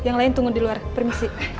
yang lain tunggu di luar permisi